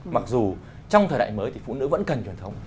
mặc dù trong thời đại mới thì phụ nữ vẫn cần truyền thống